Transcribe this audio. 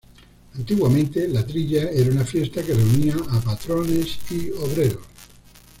Antiguamente, la trilla era una fiesta que reunía a patrones y obreros.